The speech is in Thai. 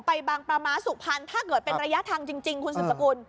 ไปบางประมาสสุขันธ์ถ้าเกิดเป็นระยะทางจริงคุณสุสกุล